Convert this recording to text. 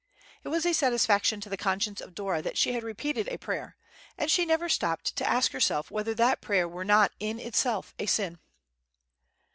It was a satisfaction to the conscience of Dora that she had repeated a prayer, and she never stopped to ask herself whether that prayer were not in itself a sin.